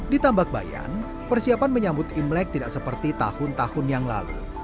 di tambak bayan persiapan menyambut imlek tidak seperti tahun tahun yang lalu